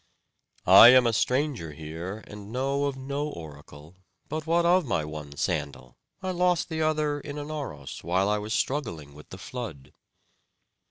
"I am a stranger here, and know of no oracle; but what of my one sandal? I lost the other in Anauros, while I was struggling with the flood."